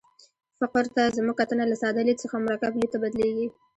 فقر ته زموږ کتنه له ساده لید څخه مرکب لید ته بدلېږي.